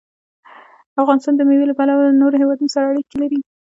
افغانستان د مېوې له پلوه له نورو هېوادونو سره اړیکې لري.